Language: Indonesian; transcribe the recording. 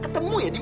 tante harus bersih